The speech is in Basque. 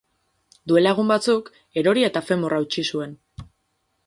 Duela egun batzuk, erori eta femurra hautsi zuen.